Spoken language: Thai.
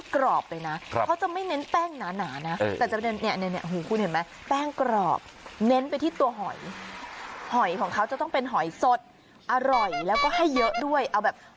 ก็เป็กตั้งเชียดละ